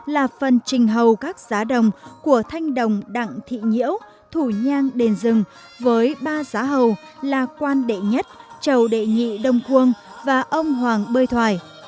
là phần trình hậu các giá đồng của thanh đồng đặng thị nhĩu thù nhang đền dừng với ba giá hậu là quan đệ nhất chầu đệ nhị đông quân và ông hoàng bơi thoài